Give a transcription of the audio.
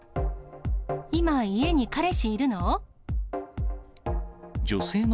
今、家に彼氏いるの？